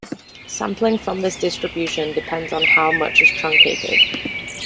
Sampling from this distribution depends on how much is truncated.